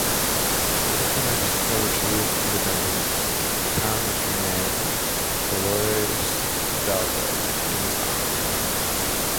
After Mexico achieved independence, the town was renamed "Dolores Hidalgo" in his honor.